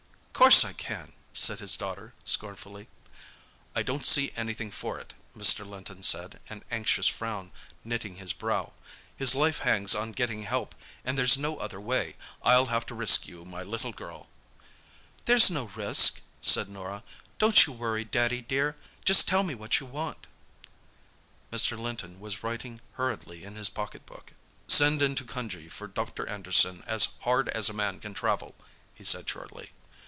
"Course I can," said his daughter scornfully. "I don't see anything for it," Mr. Linton said, an anxious frown knitting his brow. "His life hangs on getting help, and there's no other way, I'll have to risk you, my little girl." "There's no risk," said Norah. "Don't you worry, Daddy, dear. Just tell me what you want." Mr. Linton was writing hurriedly in his pocket book. "Send into Cunjee for Dr. Anderson as hard as a man can travel," he said shortly.